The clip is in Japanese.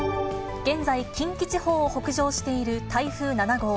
現在、近畿地方を北上している台風７号。